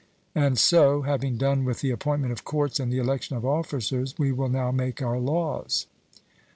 And so, having done with the appointment of courts and the election of officers, we will now make our laws.